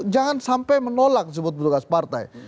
jangan sampai menolak sebut petugas partai